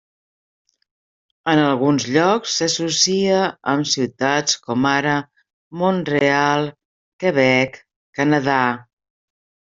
En alguns llocs s'associa amb ciutats com ara Mont-real, Quebec, Canadà.